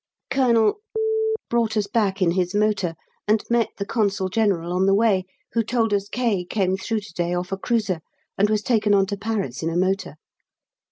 Colonel brought us back in his motor, and met the Consul General on the way, who told us K. came through to day off a cruiser, and was taken on to Paris in a motor.